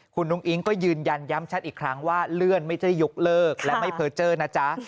คุณอุ้งอิ๊งก็ยืนยันย้ำชัดอีกครั้งว่าเลื่อนไม่ใช่ยกเลิกและไม่เพอร์เจอร์นะจ๊ะ